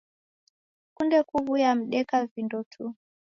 Sikunde kuw'uya mdeka-vindo tu